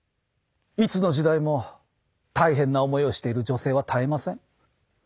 いつの時代も大変な思いをしている女性は絶えません。